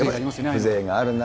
風情があるな。